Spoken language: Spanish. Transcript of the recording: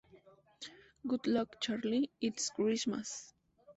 Good Luck Charlie, It's Christmas!